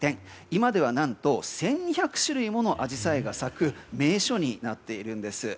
今では何と１２００種類ものアジサイが咲く名所になっているんです。